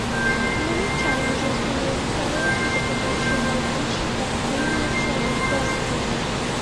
Many challenges remain prior to the commercialization of aneutronic processes.